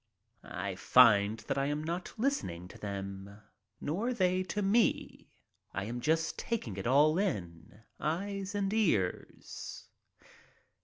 I find that I am not listening to them, nor they to me. I am just taking it all in, eyes and ears.